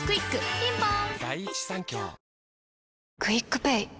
ピンポーン